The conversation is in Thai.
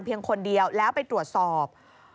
คนเดียวแล้วไปตรวจสอบ